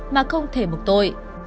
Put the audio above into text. mà không thể bục tội